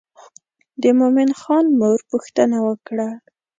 د مومن خان مور پوښتنه وکړه.